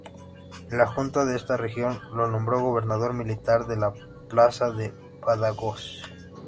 La Junta de esta región lo nombró gobernador militar de la plaza de Badajoz.